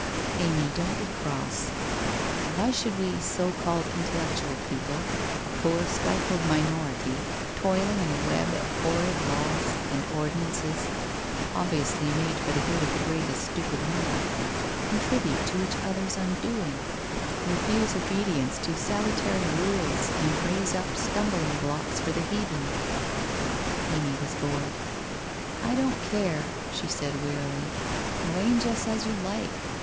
' Amy, don't be cross. Why should we so called in tellectual people, a poor stifled minority, toiling in a web of horrid laws and ordinances, obviously made for the good of the greatest stupid number, contribute to each other's undoing, refuse obedience to salutary rules and raise up stumbling blocks for the heathen ?' Amy was bored. ' I don't care,' she said wearily. ' Ar range us as you like.